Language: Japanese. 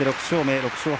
６勝目。